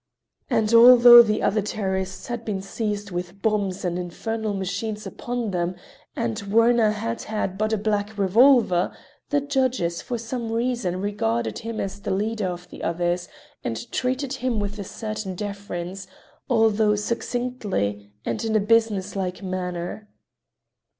And although the other terrorists had been seized with bombs and infernal machines upon them, and Werner had had but a black revolver, the judges for some reason regarded him as the leader of the others and treated him with a certain deference, although succinctly and in a business like manner.